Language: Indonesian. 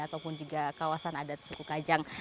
ataupun juga kawasan adat suku kajang